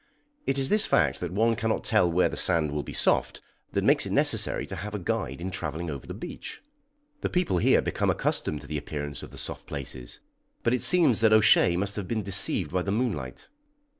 "It is this fact, that one cannot tell where the sand will be soft, that makes it necessary to have a guide in travelling over the beach. The people here become accustomed to the appearance of the soft places, but it seems that O'Shea must have been deceived by the moonlight."